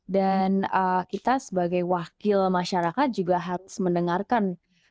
dan kita sebagai wakil masyarakat juga harus mendengarkan